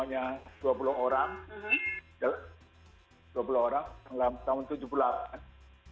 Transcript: dua puluh orang dalam tahun tujuh puluh delapan